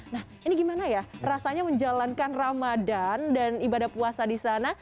nah ini gimana ya rasanya menjalankan ramadan dan ibadah puasa di sana